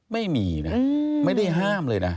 ไม่มีนะไม่ได้ห้ามเลยนะ